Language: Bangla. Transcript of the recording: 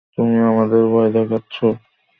তুমি আমাদের ভয় দেখাচ্ছো?